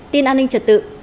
tin an ninh trật tự